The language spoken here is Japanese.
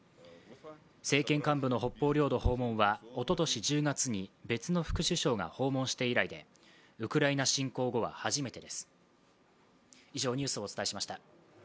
政権幹部の北方領土訪問はおととし１０月に別の副首相が訪問して以来でウクライナ侵攻後は初めてです。